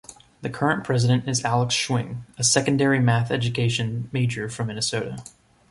The current president is Alex Schwing, a secondary math education major from Minnesota.